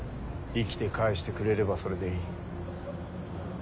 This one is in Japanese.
生きて返してくれればそれでいい。